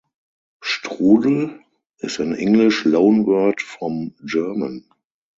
Strudel is an English loanword from German.